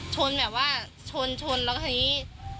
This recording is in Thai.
ชนแบบว่าชนแล้วทีนี้